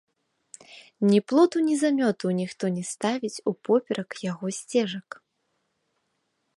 Ні плоту, ні замёту ніхто не ставіць упоперак яго сцежак.